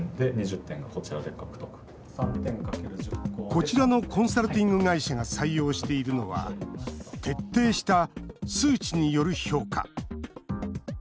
こちらのコンサルティング会社が採用しているのは徹底した数値による評価。